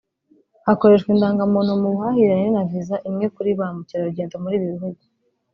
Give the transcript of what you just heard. hakoreshwa indangamuntu mu buhahirane na viza imwe kuri ba mukerarugendo muri ibi bihugu